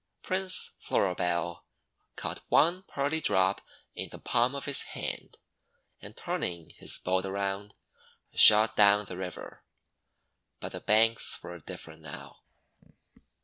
Prince Floribel caught one pearly drop in the palm of his hand, and, turning his boat around, shot down the river. But the banks were dif ferent now.